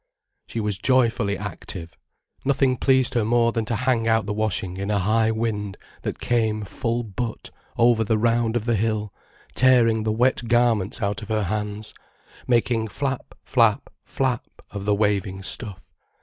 She was joyfully active. Nothing pleased her more than to hang out the washing in a high wind that came full butt over the round of the hill, tearing the wet garments out of her hands, making flap flap flap of the waving stuff.